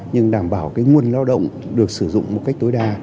nhưng đảm bảo cái nguồn lao động được sử dụng một cách tối đa